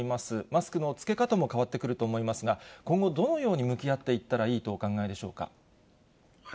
マスクの着け方も変わってくると思いますが、今後、どのように向き合っていったらいいとお考えでしょうか。